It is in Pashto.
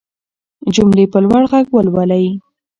جملې په لوړ غږ ولولئ.